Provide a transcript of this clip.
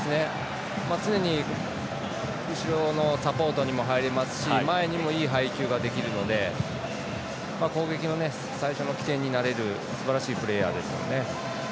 常に後ろのサポートにも入れますし前にもいい配球ができるので攻撃の最初の起点になれるすばらしいプレーヤーですよね。